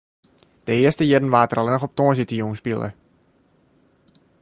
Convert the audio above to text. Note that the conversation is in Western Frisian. De earste jierren waard der allinne op tongersdeitejûn spile.